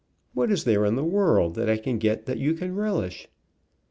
What is there in the world that I can get that you can relish?"